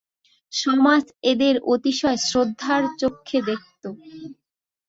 সমাজ এঁদের অতিশয় শ্রদ্ধার চক্ষে দেখত।